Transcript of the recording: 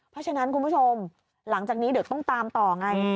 เพราะฉะนั้นคุณผู้ชมหลังจากนี้เดี๋ยวต้องตามต่อไง